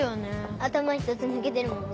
頭一つ抜けてるもんね。